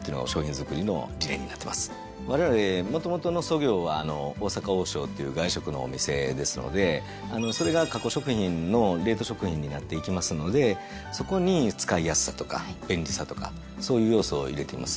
われわれもともとの祖業は大阪王将っていう外食のお店ですのでそれが加工食品の冷凍食品になっていきますのでそこに使いやすさとか便利さとかそういう要素を入れています。